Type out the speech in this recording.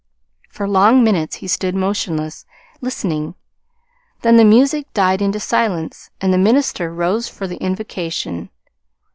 For long minutes he stood motionless, listening; then the music died into silence and the minister rose for the invocation.